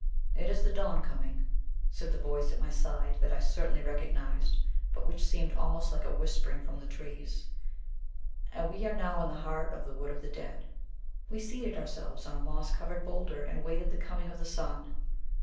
"It is the dawn coming," said the voice at my side that I certainly recognised, but which seemed almost like a whispering from the trees, "and we are now in the heart of the Wood of the Dead." We seated ourselves on a moss covered boulder and waited the coming of the sun.